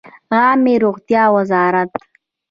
عامې روغتیا وزارت